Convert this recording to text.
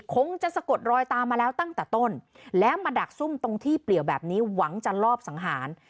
คงจะสะกดรอยตามมาแล้วตั้งแต่ต้นแล้วมาดักซุ่มตรงที่เปลี่ยวแบบนี้หวังจะลอบสังหาร